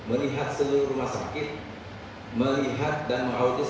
melihat seluruh rumah sakit melihat dan mengaudit